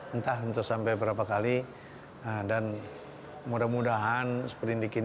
entah untuk sampai berapa kali dan mudah mudahan seperindik ini